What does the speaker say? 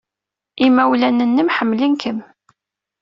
Imawlan-nnem ḥemmlen-kem.